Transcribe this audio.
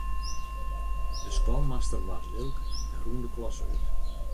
De skoalmaster waard lilk en rûn de klasse út.